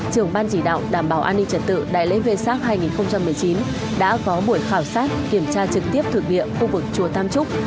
trưởng ban chỉ đạo đảm bảo an ninh trật tự đại lễ vê sác hai nghìn một mươi chín đã có buổi khảo sát kiểm tra trực tiếp thực địa khu vực chùa tam trúc